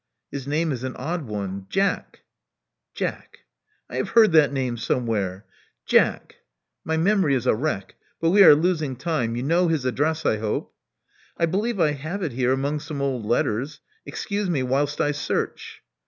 "His name is an odd one — ^Jack." "Jack? I have heard that name somewhere. Jack? My memory is a wreck. But we are losing time. You know his address, I hope." "I believe I have it here among some old letters. Excuse me whilst I search."